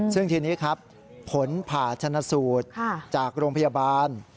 ซึ่งทีนี้ครับผลผ่าชนะสูตรจากโรงพยาบาล